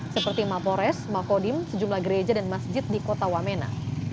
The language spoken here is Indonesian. seperti mapores makodim sejumlah gereja dan masjid di kota wamena